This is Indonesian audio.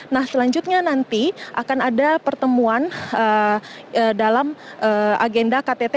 nah selanjutnya nanti akan ada pertemuan dalam agenda ktt